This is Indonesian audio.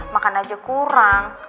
makan aja kurang